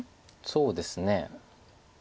そうですね。